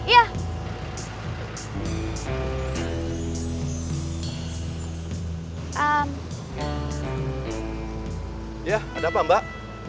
ya ada apa mbak